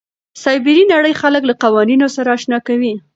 سایبري نړۍ خلک له قوانینو سره اشنا کوي.